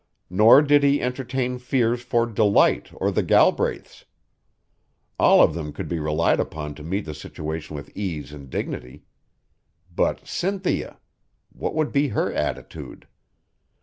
Nor did he entertain fears for Delight or the Galbraiths. All of them could be relied upon to meet the situation with ease and dignity. But Cynthia what would be her attitude?